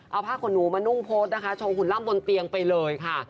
เอาผ้าขนหนูมานุ่งโพสต์นะคะชงหุ่นล่ำบนเตียงไปเลยค่ะ